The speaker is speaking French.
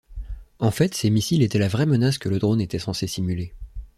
En-fait, ces missiles étaient la vraie menace que le drone était censé simuler.